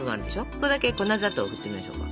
そこだけ粉砂糖振ってみましょうか。